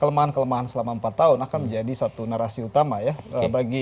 kelemahan kelemahan selama empat tahun akan menjadi satu narasi utama ya